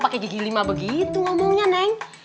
pakai gigi lima begitu ngomongnya neng